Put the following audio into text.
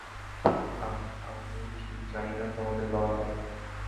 আহ, আমি ঠিক জানি না তোমাদের বাবা কোথায়।